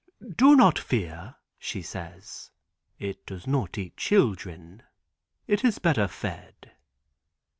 "Do not fear," she says, "it does not eat children, it is better fed."